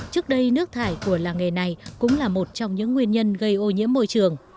trước đây nước thải của làng nghề này cũng là một trong những nguyên nhân gây ô nhiễm môi trường